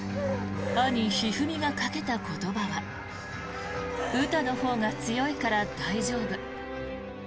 兄・一二三がかけた言葉は詩のほうが強いから大丈夫。